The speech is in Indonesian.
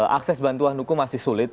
akses bantuan hukum masih sulit